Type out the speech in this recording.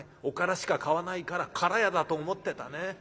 おからしか買わないからから屋だと思ってたね。